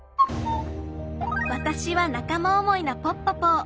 わたしは仲間思いなポッポポー。